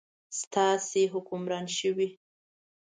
تاسې حکمران شوئ.